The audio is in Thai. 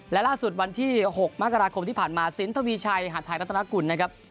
และล่าสุดวันที่๖มกราคมที่ผ่านมาสินทวีชัยหาดไทยรัฐนากุลนะครับ